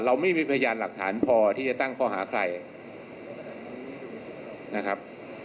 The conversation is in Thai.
เราไม่มีพยานหลักฐานพอที่จะตั้งข้อหาใครนะครับ